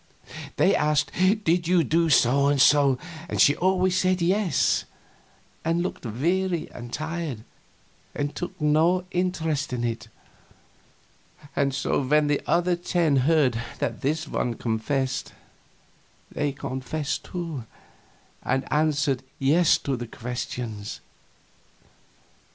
They asked, "Did you do so and so?" and she always said yes, and looked weary and tired, and took no interest in it. And so when the other ten heard that this one confessed, they confessed, too, and answered yes to the questions.